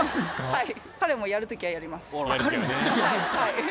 はい。